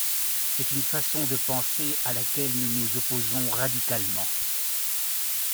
C’est une façon de penser à laquelle nous nous opposons radicalement.